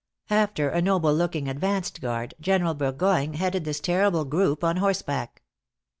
After a noble looking advanced guard, General Burgoyne headed this terrible group on horseback.